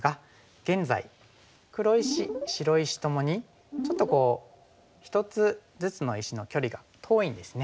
現在黒石白石ともにちょっと１つずつの石の距離が遠いんですね。